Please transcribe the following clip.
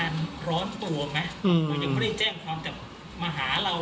ยังไม่ได้แจ้งความแต่มาหาเรา